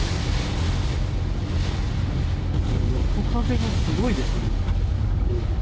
横風がすごいですね。